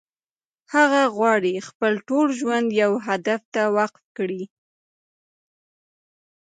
هغه غواړي خپل ټول ژوند يو هدف ته وقف کړي.